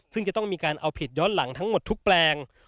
ซึ่งจะต้องมีการเอาผิดย้อนหลังทั้งหมดทุกแปลง